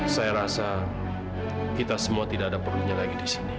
saya rasa kita semua tidak ada perlunya lagi di sini